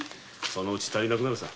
そのうち足りなくなるささ